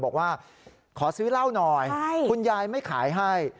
บอกว่าขอซื้อเหล้าหน่อยคุณยายไม่ขายให้